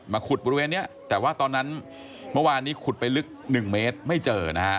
ขุดบริเวณนี้แต่ว่าตอนนั้นเมื่อวานนี้ขุดไปลึก๑เมตรไม่เจอนะฮะ